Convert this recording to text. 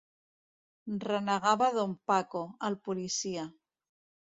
Renegava don Paco, el policia.